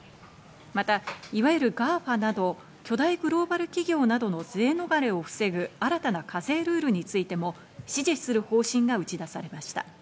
また、いわゆるＧＡＦＡなど、巨大グローバル企業などの税逃れを防ぐ新たな課税ルールについても支持する方針が打ち出されました。